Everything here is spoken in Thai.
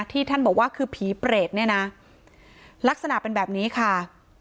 ท่านบอกว่าคือผีเปรตเนี่ยนะลักษณะเป็นแบบนี้ค่ะ